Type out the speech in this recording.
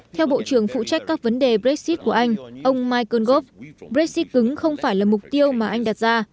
theo bộ trưởng phụ trách các vấn đề brexit của anh ông michael gove brexit cứng không phải là mục tiêu mà anh đặt ra